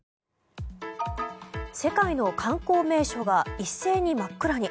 世界の観光名所が一斉に真っ暗に。